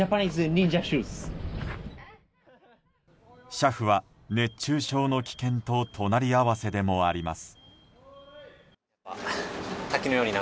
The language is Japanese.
車夫は熱中症の危険と隣り合わせでもあります。